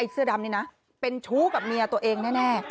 เสื้อดำนี่นะเป็นชู้กับเมียตัวเองแน่